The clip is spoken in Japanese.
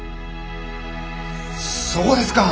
そうですか！